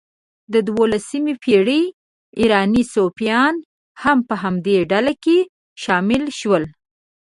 د دوولسمې پېړۍ ایراني صوفیان هم په همدې ډلې کې شامل شول.